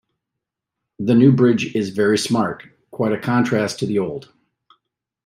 The new bridge is very smart; quite a contrast to the old.